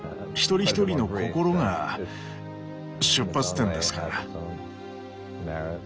一人一人の心が出発点ですから。